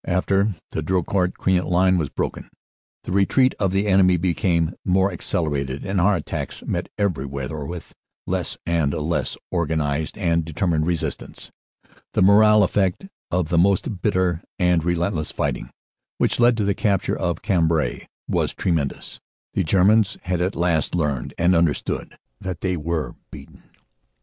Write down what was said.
After the Drocourt Queant Line was broken, the retreat of the enemy became more accelerated, and our attacks met every where with less and less organized and determined resistance. The moral effect of the most bitter and relentless fighting which led to the capture of Cambrai was tremendous. The Germans had at last learned and understood that they were beaten."